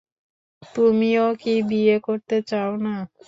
তুমিও কি বিয়ে করতে চাও না।